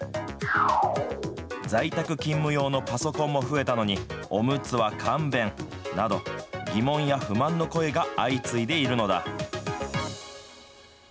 在宅勤務用のパソコンも増えたのに、おむつは勘弁など、疑問や不満の声が相次いでいるのだ。